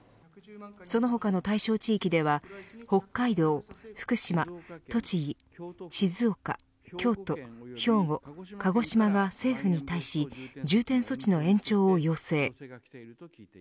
その他の対象地域では北海道、福島栃木、静岡京都、兵庫、鹿児島が政府に対し重点措置の延長を要請。